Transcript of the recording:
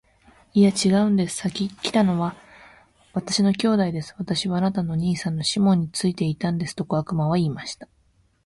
「いや、ちがうんです。先来たのは私の兄弟です。私はあなたの兄さんのシモンについていたんです。」と小悪魔は言いました。